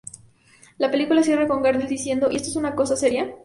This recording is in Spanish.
La película cierra con Gardel diciendo: “¿Y esto es una casa seria?